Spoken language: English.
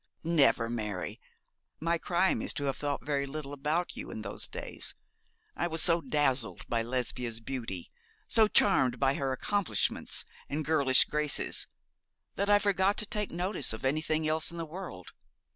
'Never, Mary. My crime is to have thought very little about you in those days. I was so dazzled by Lesbia's beauty, so charmed by her accomplishments and girlish graces, that I forgot to take notice of anything else in the world.